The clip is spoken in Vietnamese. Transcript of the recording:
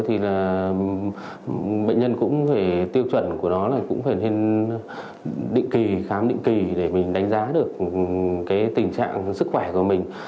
thì là bệnh nhân cũng phải tiêu chuẩn của đó là cũng phải nên định kỳ khám định kỳ để mình đánh giá được cái tình trạng sức khỏe của mình